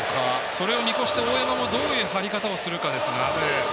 それを見越して、大山もどういう入り方をする方ですが。